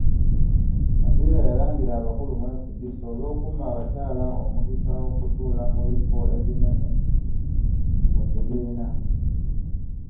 Nabillah yalangira abakulu mu FDC olw'okumma abakyala omukisa okutuula ku bifo ebinene mu kibiina.